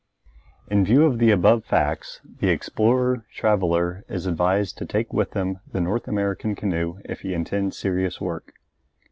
In view of the above facts the explorer traveller is advised to take with him the North American canoe if he intends serious work.